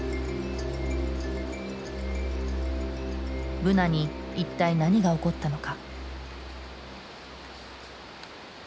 ブナに一体何が起こったのか？